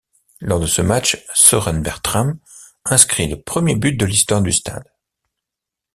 Lors de ce match, Sören Bertram inscrit le premier but de l'histoire du stade.